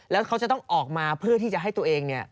แล้วเขาจะต้องออกมาเพื่อที่จะให้ตัวเองเนี่ย